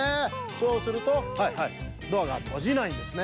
そうするとはいはいドアがとじないんですね。